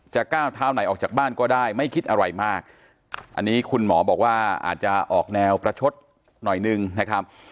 ก้าวเท้าไหนออกจากบ้านก็ได้ไม่คิดอะไรมากอันนี้คุณหมอบอกว่าอาจจะออกแนวประชดหน่อยนึงนะครับ